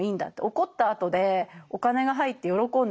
怒ったあとでお金が入って喜んでいいんだって。